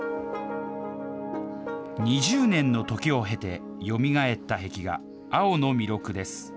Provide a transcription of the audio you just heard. ２０年の時を経て、よみがえった壁画、青の弥勒です。